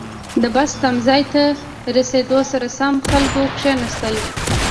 • د بس تمځي ته رسېدو سره سم، خلکو کښېناستل.